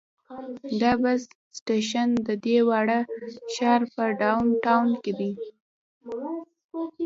دا بس سټیشن د دې واړه ښار په ډاون ټاون کې دی.